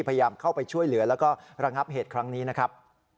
พยายามเข้าไปช่วยเหลือแล้วก็ระงับเหตุครั้งนี้นะครับ